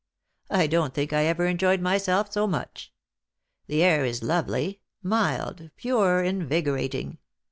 I don't think I ever enjoyed myself so much. The air is lovely — mild, pure, invigo rating.